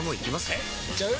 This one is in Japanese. えいっちゃう？